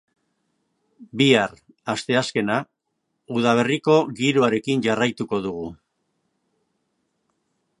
Bihar, asteazkena, udaberriko giroarekin jarraituko dugu.